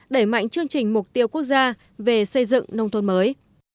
đẩy mạnh chương trình mục tiêu quốc gia về xây dựng nông thôn mới